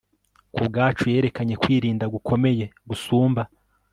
Ku bwacu yerekanye kwirinda gukomeye gusumba